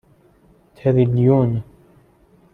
تریلیون